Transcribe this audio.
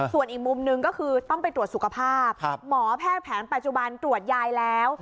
ส่วนอีกมุมหนึ่งก็คือต้องไปตรวจสุขภาพหมอแพทย์แผนปัจจุบันตรวจยายแล้ว